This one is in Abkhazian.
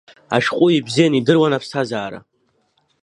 Ашәҟәыҩҩы ибзианы идыруан аԥсҭазаара.